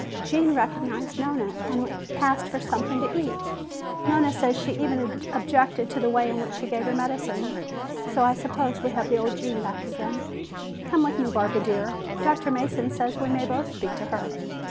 "Gene recognized Nona and asked for something to eat. Nona says she even objected to the way in which she gave her medicine, so I suppose we have the old Gene back again. Come with me, Barbara dear, Dr. Mason says we may both speak to her.